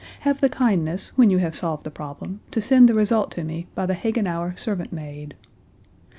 Have the kindness when you have solved the problem to send the result to me by the Hagenauer servant maid."